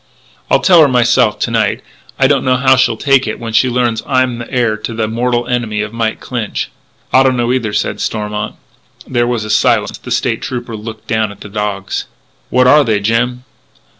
"I'll tell her myself to night. I don't know how she'll take it when she learns I'm the heir to the mortal enemy of Mike Clinch." "I don't know either," said Stormont. There was a silence; the State Trooper looked down at the dogs: "What are they, Jim?"